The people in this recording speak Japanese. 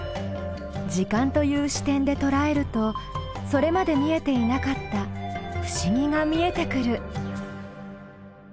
「時間」という視点でとらえるとそれまで見えていなかった不思議が見えてくる。